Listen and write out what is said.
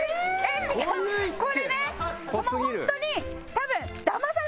これねホントに多分。